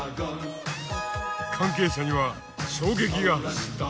関係者には衝撃が走った。